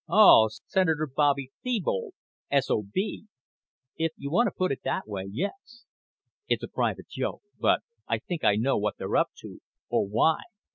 "Oh. Senator Bobby Thebold, S.O.B." "If you want to put it that way, yes." "It's a private joke. But I think I know what they're up to or why.